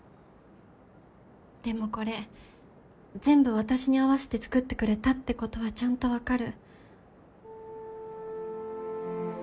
でもこれ全部私に合わせて作ってくれたってことはちゃんと分かる。